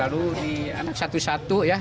lalu di satu satu ya